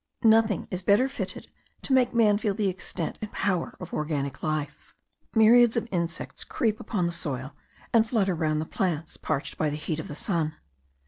Nothing is better fitted to make man feel the extent and power of organic life. Myriads of insects creep upon the soil, and flutter round the plants parched by the heat of the sun.